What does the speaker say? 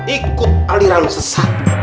ikut aliran sesat